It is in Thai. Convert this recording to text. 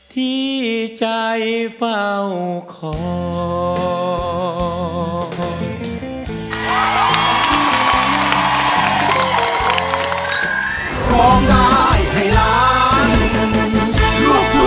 ที่ใจฝ่าขอเธอเป็นนางฟ้า